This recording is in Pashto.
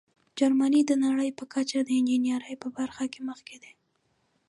جرمني د نړۍ په کچه د انجینیرۍ په برخه کې مخکښ دی.